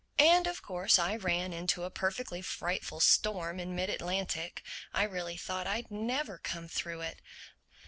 And of course I ran into a perfectly frightful storm in mid Atlantic. I really thought I'd never come through it.